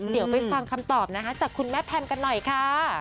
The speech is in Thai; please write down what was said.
เดี๋ยวไปฟังคำตอบนะคะจากคุณแม่แพมกันหน่อยค่ะ